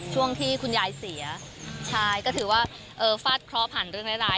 ช่วงที่คุณยายเสียใช่ก็ถือว่าฟาดเคราะห์ผ่านเรื่องร้าย